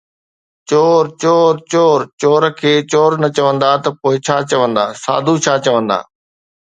چور، چور، چور، چور کي چور نه چوندا ته پوءِ ڇا چوندا، ساڌو ڇا چوندا؟